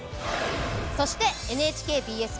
そしてＮＨＫＢＳ